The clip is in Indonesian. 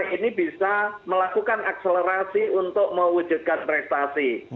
ini bisa melakukan akselerasi untuk mewujudkan prestasi